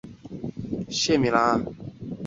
赫氏海猪鱼为隆头鱼科海猪鱼属的鱼类。